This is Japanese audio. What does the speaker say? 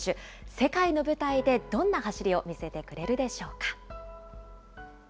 世界の舞台でどんな走りを見せてくれるでしょうか。